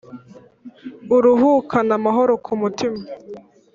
Uruhukane amahoro ku mutima.